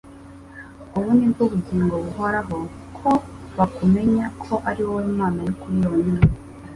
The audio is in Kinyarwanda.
Ubwo ni bwo bugingo buhoraho ko bakumenya, ko ari wowe Mana y'ukuri yonyine,